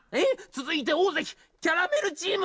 続いて大関キャラメルチーム！」